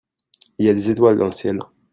Il y a des étoiles dans le ciel.